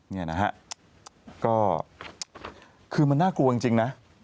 นี่นะฮะก็คือมันน่ากลัวจริงนะ